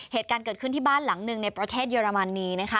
เหตุการณ์เกิดขึ้นที่บ้านหลังหนึ่งในประเทศเยอรมนีนะคะ